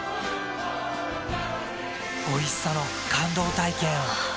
おいしさの感動体験を。